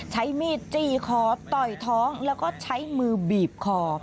ใช้มีดจี้คอต่อยท้องแล้วก็ใช้มือบีบคอ